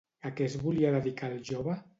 A què es volia dedicar el jove?